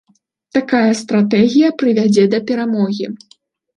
Такая стратэгія прывядзе да перамогі.